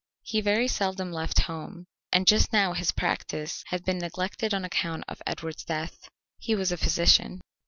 He very seldom left home, and just now his practice had been neglected on account of Edward's death. He was a physician.